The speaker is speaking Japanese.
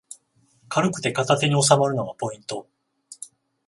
軽くて片手におさまるのがポイント